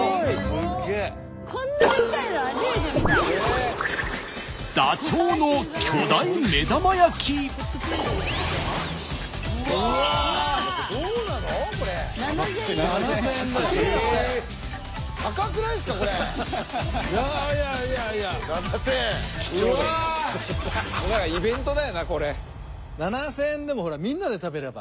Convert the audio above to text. スタジオ７，０００円でもほらみんなで食べれば。